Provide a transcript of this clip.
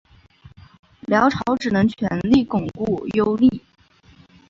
辽朝只能全力固守幽蓟。